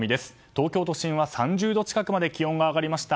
東京都心は３０度近くまで気温が上がりました。